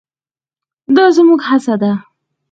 دا زموږ هڅه ده.